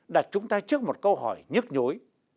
đặt chúng ta trước một câu hỏi nhức nhối